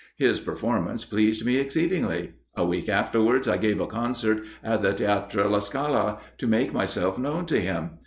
His performance pleased me exceedingly. A week afterwards I gave a concert at the Theatre La Scala, to make myself known to him.